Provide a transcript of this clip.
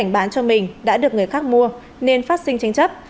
bán cho mình đã được người khác mua nên phát sinh tranh chấp